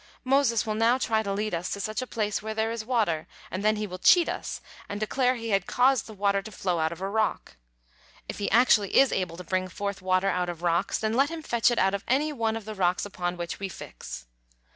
Moses will now try to lead us to such a place where there is water, and then he will cheat us and declare he had causes the water to flow out of a rock. If he actually is able to bring forth water out of rocks, then let him fetch it out of any one of the rocks upon which we fix."